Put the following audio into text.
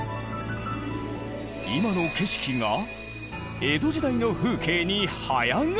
今の景色が江戸時代の風景に早変わり！